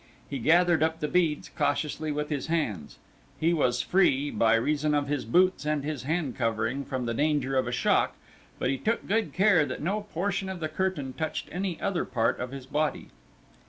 He gathered up the beads cautiously with his hands; he was free, by reason of his boots and his hand covering, from the danger of a shock, but he took good care that no portion of the curtain touched any other part of his body.